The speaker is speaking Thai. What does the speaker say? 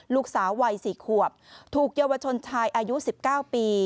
ลูกสาววัย๔ขวบถูกเยาวชนชายอายุ๑๙ปี